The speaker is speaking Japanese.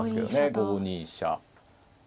５二飛車。